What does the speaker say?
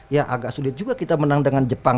ya agak sulit juga kita menang dengan jepang